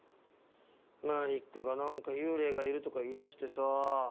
マリックが何か幽霊がいるとか言いだしてさ。